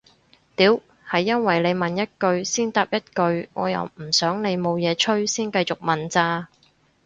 屌係因為你問一句先答一句我又唔想你冇嘢吹先繼續問咋